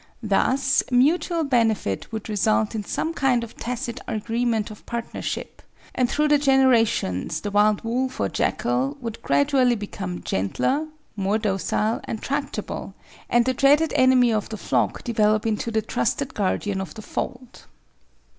Thus mutual benefit would result in some kind of tacit agreement of partnership, and through the generations the wild wolf or jackal would gradually become gentler, more docile, and tractable, and the dreaded enemy of the flock develop into the trusted guardian of the fold.